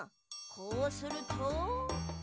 こうすると。